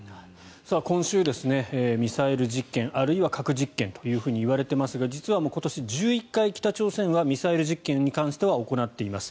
今週、ミサイル実験あるいは核実験といわれていますが実は今年は１１回北朝鮮はミサイル実験に関しては行っています。